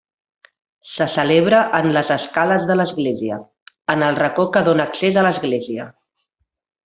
Se celebra en les escales de l'església, en el racó que dóna accés a l'església.